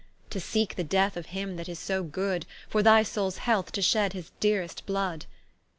To seeke the death of him that is so good, For thy soules health to shed his dearest blood.